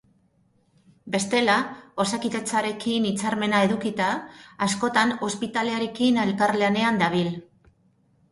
Bestela, Osakidetzarekin hitzarmena edukita, askotan Ospitalearekin elkarlanean dabil.